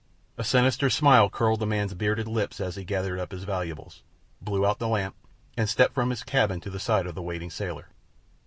A sinister smile curled the man's bearded lips as he gathered up his valuables, blew out the lamp, and stepped from his cabin to the side of the waiting sailor.